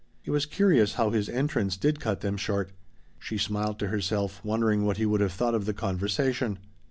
It was curious how his entrance did cut them short. She smiled to herself, wondering what he would have thought of the conversation.